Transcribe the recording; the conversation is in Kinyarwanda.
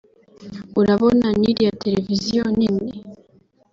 urabona n’iriya televiziyo nini